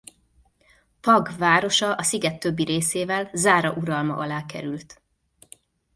Pag városa a sziget többi részével Zára uralma alá került.